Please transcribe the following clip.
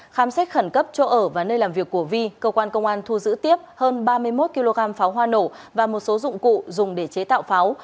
khám xét khẩn cấp chỗ ở và nơi làm việc của vi cơ quan công an thu giữ tiếp hơn ba mươi một kg pháo hoa nổ và một số dụng cụ dùng để chế tạo pháo